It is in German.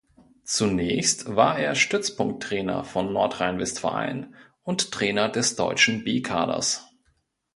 Zunächst war er Stützpunkttrainer von Nordrhein-Westfalen und Trainer des deutschen B-Kaders.